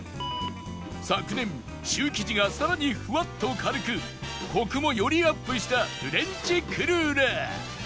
昨年シュー生地がさらにふわっと軽くコクもよりアップしたフレンチクルーラー